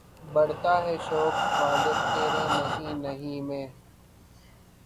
بڑھتا ہے شوق "غالب" تیرے نہیں نہیں میں.